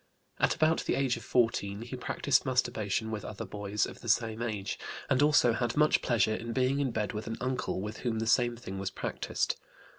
At about the age of 14 he practised masturbation with other boys of the same age, and also had much pleasure in being in bed with an uncle with whom the same thing was practised.